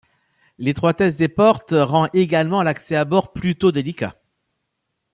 L’étroitesse des portes rend également l’accès à bord plutôt délicat.